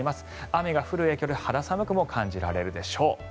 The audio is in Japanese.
雨が降る影響で肌寒くも感じられるでしょう。